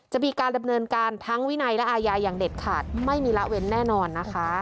จะมีการดำเนินการทั้งวินัยและอาญาอย่างเด็ดขาดไม่มีละเว้นแน่นอนนะคะ